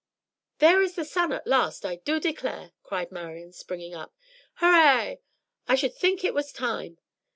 "There is the sun at last, I do declare," cried Marian, springing up. "Hurrah! I should think it was time.